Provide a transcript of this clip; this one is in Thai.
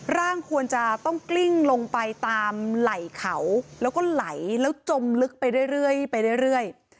ร่างควรจะต้องกลิ้งลงไปตามไหล่เขาแล้วก็ไหลแล้วจมลึกไปเรื่อยไปเรื่อย